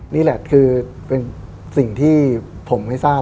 นี่แหละคือเป็นสิ่งที่ผมไม่ทราบ